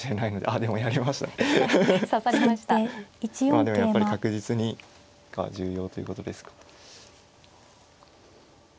まあでもやっぱり確実にが重要ということですか。